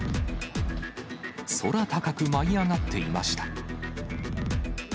空高く舞い上がっていました。